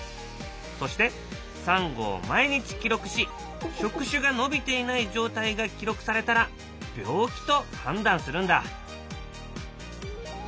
そしてサンゴを毎日記録し触手が伸びていない状態が記録されたら病気と判断するんだ。